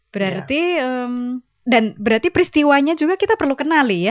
berarti dan berarti peristiwanya juga kita perlu kenali ya